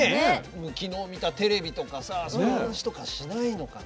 昨日見たテレビとかさそういう話とかしないのかな。